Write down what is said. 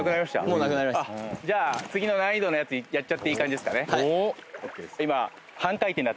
もうなくなりましたじゃあ次の難易度のやつやっちゃっていい感じですかねはあ？